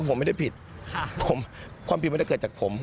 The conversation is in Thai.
ผมไม่ได้ผิดความผิดมันจะเกิดจากผม